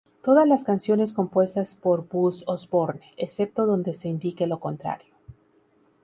Todas las canciones compuestas por Buzz Osborne, excepto donde se indique lo contrario.